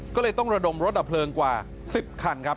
ก็เลยต้องระดมรถดับเพลิงกว่า๑๐คันครับ